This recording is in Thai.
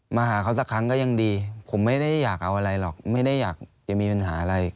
ไม่ได้อยากเอาอะไรหรอกไม่ได้อยากจะมีปัญหาอะไร